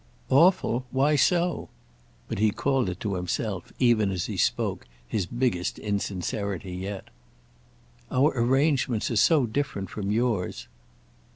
"Awful? Why so?" But he called it to himself, even as he spoke, his biggest insincerity yet. "Our arrangements are so different from yours."